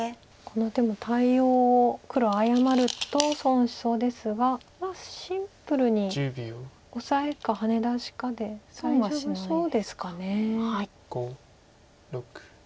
この手も対応を黒誤ると損しそうですがまあシンプルにオサエかハネ出しかで大丈夫そうですか。